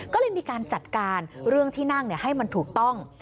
ก็เลยมีการจัดการเรื่องที่นั่งให้มันถูกต้อง